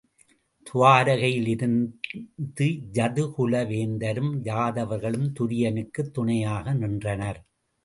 துவாரகையில் இருந்த யது குல வேந்தரும் யாதவர்களும் துரியனுக்குத் துணையாக நின்றனர்.